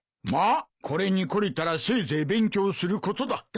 まあこれに懲りたらせいぜい勉強することだ。